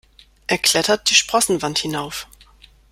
Er klettert die Sprossenwand hinauf.